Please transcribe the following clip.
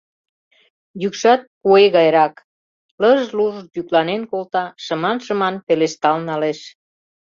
Йӱкшат — куэ гайрак: лыж-луж йӱкланен колта, шыман-шыман пелештал налеш...